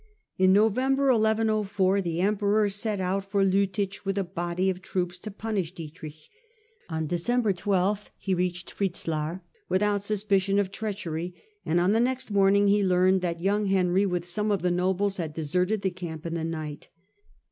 In November the_ emperor set out from Liittich with a body of troops, to punish Dietrich; on December 12 he reached Fritslar without suspicion of treachery, and the next morning he learned that young Henry with some of the nobles had deserted the camp in the night.